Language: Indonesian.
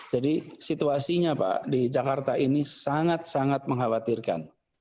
jadi situasinya pak di jakarta ini sangat sangat mengkhawatirkan